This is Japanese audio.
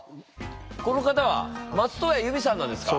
この方は松任谷由実さんなんですか！？